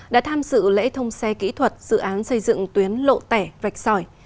đã tham dự lễ thông xe kỹ thuật dự án xây dựng tuyến lộ tẻ rạch sỏi